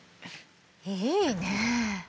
いいね。